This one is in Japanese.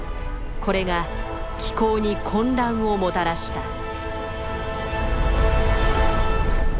これが気候に混乱をもたらした。